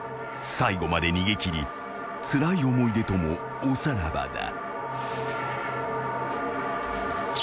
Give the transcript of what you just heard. ［最後まで逃げ切りつらい思い出ともおさらばだ］